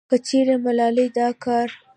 کچېرې ملالې دا کار